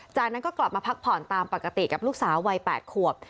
จากนั้นก็กลับมาพักผ่อนตามปกติกับลูกสาววัย๘ขวบ